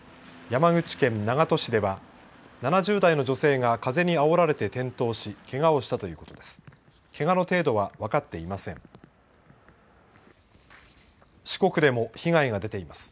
山口県長門市では７０代の女性が風にあおられて転倒し、けがをしたということです。